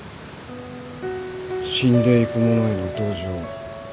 死んでいく者への同情。